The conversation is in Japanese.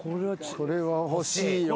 これは欲しいよ。